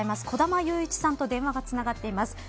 小玉祐一さんと電話がつながっています。